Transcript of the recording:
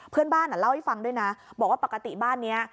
เพื่อนบ้านเล่าให้ฟังด้วยนะบอกว่าปกติบ้านนี้